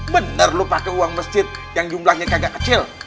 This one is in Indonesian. bener lo pakai uang masjid yang jumlahnya kagak kecil